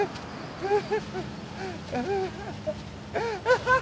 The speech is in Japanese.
ハハハ